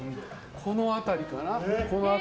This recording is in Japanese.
この辺りかな。